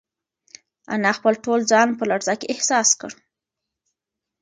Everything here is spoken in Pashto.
انا خپل ټول ځان په لړزه کې احساس کړ.